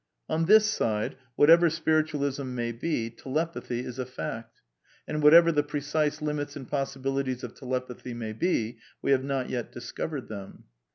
On this side, whatever Spiritualism may be, telepathy / is a fact ; and whatever the precise limits and possibilities of telepathy may be, we have not yet discovered them.